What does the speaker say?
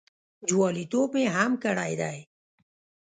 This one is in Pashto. جوالیتوب مې هم کړی دی.